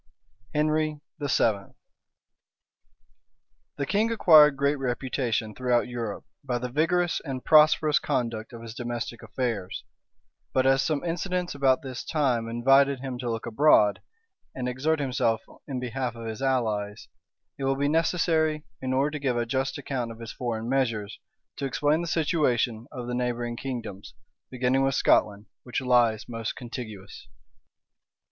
HENRY VII. {1488.} The king acquired great reputation throughout Europe by the vigorous and prosperous conduct of his domestic affairs; but as some incidents about this time invited him to look abroad, and exert himself in behalf of his allies, it will be necessary, in order to give a just account of his foreign measures, to explain the situation of the neighboring kingdoms, beginning with Scotland, which lies most contiguous.